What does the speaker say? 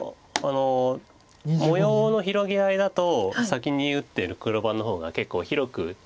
模様の広げ合いだと先に打ってる黒番の方が結構広く。